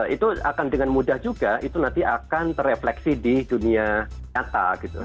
itu akan dengan mudah juga itu nanti akan terefleksi di dunia nyata gitu